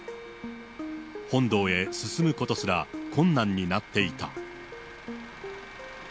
本堂へ進むことすら困難になっていた。